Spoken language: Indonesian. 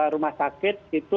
rumah sakit itu